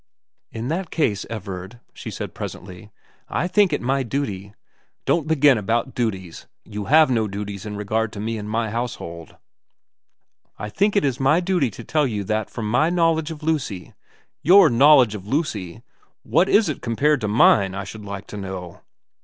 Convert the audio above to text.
' In that case, Everard,' she said presently, * I think it my duty '' Don't begin about duties. You have no duties in regard to me and my household.' * I think it my duty to tell you that from my know ledge of Lucy '' Your knowledge of Lucy ! What is it compared to mine, I should like to know